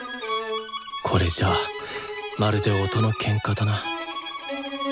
これじゃあまるで音のケンカだな。